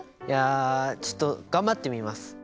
いやちょっと頑張ってみます。